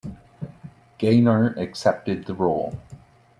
Gaynor accepted the role.